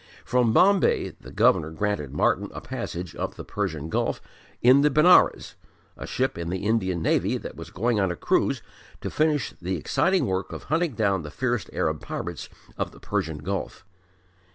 From Bombay the governor granted Martyn a passage up the Persian Gulf in the Benares, a ship in the Indian Navy that was going on a cruise to finish the exciting work of hunting down the fierce Arab pirates of the Persian Gulf.